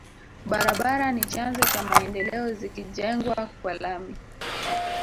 Barabara ni chanzo cha maendeleo zikijengwa kwa lami